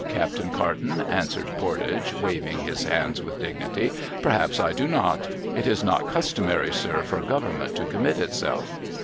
Captain Carton,' answers Pordage, waving his hand, with dignity :' perhaps I do not. It is not customary, sir, for Government to commit itself.'